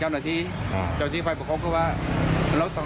ถึงที่เวทบาทฟังเงินทวน